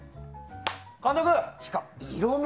監督！